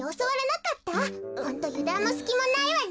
ホントゆだんもすきもないわね。